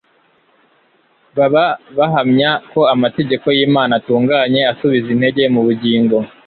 Baba bahamya ko "amategeko y'Imana atunganye: asubiza intege mu bugingo.""